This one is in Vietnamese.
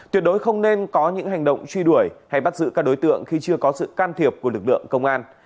tuyệt đối không nên có những hành động truy đuổi hay bắt giữ các đối tượng khi chưa có sự can thiệp của lực lượng công an